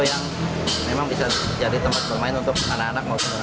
yang memang bisa jadi tempat bermain untuk anak anak maupun anak anak